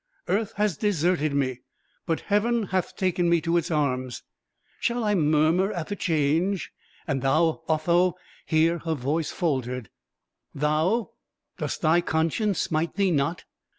Earth has deserted me, but Heaven hath taken me to its arms; shall I murmur at the change? And thou, Otho" here her voice faltered "thou, does thy conscience smite thee not?